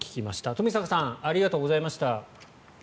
冨坂さんありがとうございました。